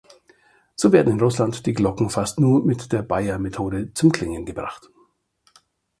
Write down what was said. So werden in Russland die Glocken fast nur mit der Beier-Methode zum Klingen gebracht.